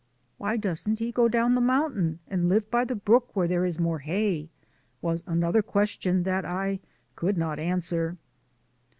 "Why doesn't he go down the mountain and live by the brook where there is more hay?" was an other question that I could not answer.